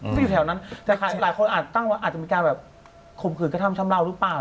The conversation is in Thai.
ก็อยู่แถวนั้นแต่หลายคนอาจจะมีการคมขื่นกระทำชำเล่าหรือเปล่า